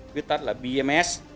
viết tắt là bms